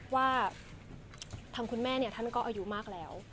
ว่าทำคุณแม่เนี้ยท่านก็อายุมากแล้ว